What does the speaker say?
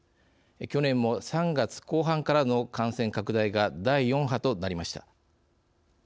去年も、３月後半からの感染拡大が第４波となりました。